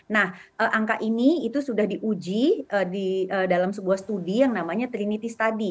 nah angka ini itu sudah diuji dalam sebuah studi yang namanya trinity study